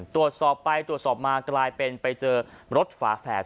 ตรวจสอบไปตรวจสอบมากลายเป็นไปเจอรถฝาแฝด